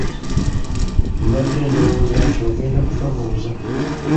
Mbadde ndowooza nti ogenda kukabuza.